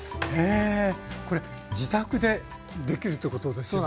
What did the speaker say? えこれ自宅でできるってことですよね？